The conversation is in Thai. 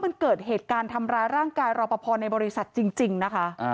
มันเกิดเหตุการณ์ทำร้ายร่างกายรอปภในบริษัทจริงนะคะ